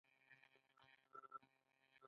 ایا ستاسو کلتور به ژوندی وي؟